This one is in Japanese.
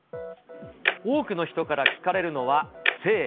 多くの人から聞かれるのは帰省。